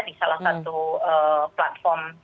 di salah satu platform